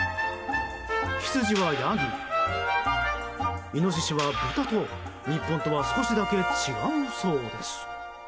ヒツジはヤギ、イノシシは豚と日本とは少しだけ違うそうです。